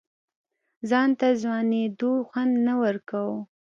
ځان ته ځوانېدو خوند نه ورکوه.